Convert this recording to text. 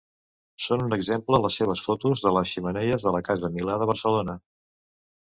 Són un exemple les seves fotos de les xemeneies de la Casa Milà de Barcelona.